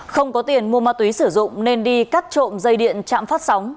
không có tiền mua ma túy sử dụng nên đi cắt trộm dây điện chạm phát sóng